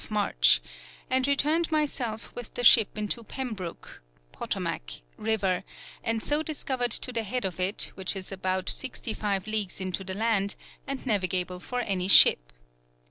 of March: and returned myself with the ship into Pembrook [Potomac] River, and so discovered to the head of it, which is about 65 leagues into the Land, and navigable for any ship.